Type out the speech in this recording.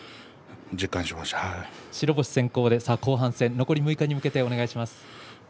白星先行で後半戦残りに向けてお願いします。